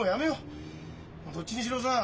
どっちにしろさ